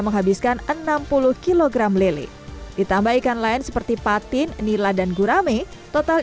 menghabiskan enam puluh kg lele ditambah ikan lain seperti patin nila dan gurame total